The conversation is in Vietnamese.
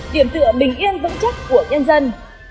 điểm tựa bình yên vững chắc của nhân dân